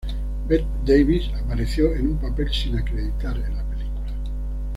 Bette Davis apareció en un papel sin acreditar en la película.